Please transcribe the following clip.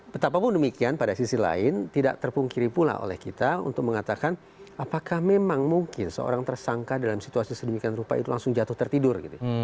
betapapun demikian pada sisi lain tidak terpungkiri pula oleh kita untuk mengatakan apakah memang mungkin seorang tersangka dalam situasi sedemikian rupa itu langsung jatuh tertidur gitu